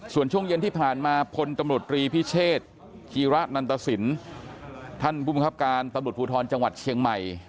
ส่วนช่วงเย็นที่ผ่านมาพลตำรวจรีพิเชษธีระนันตสินท่านผู้บังคับการตำรวจภูทรจังหวัดเชียงใหม่